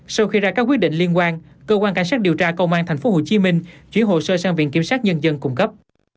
sau khi ra các quyết định liên quan cơ quan cảnh sát điều tra công an tp hcm chuyển hồ sơ sang viện kiểm sát nhân dân cung cấp